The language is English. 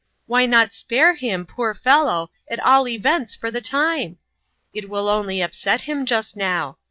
Why not spare him, poor fellow, at all events for the time? It will only upset him just now.